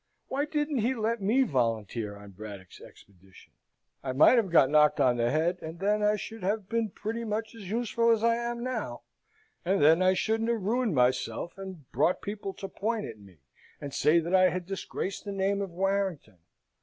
Why didn't he let me volunteer on Braddock's expedition? I might have got knocked on the head, and then I should have been pretty much as useful as I am now, and then I shouldn't have ruined myself, and brought people to point at me and say that I had disgraced the name of Warrington.